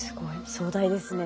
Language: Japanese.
壮大ですね。